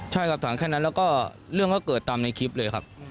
ใช่ครับถามแค่นั้นแล้วก็เรื่องก็เกิดตามในคลิปเลยครับ